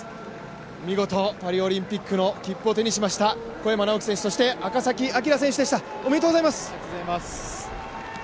見事パリオリンピックの切符を手にしました小山直城選手、そして赤崎暁選手でした、おめでとうございます。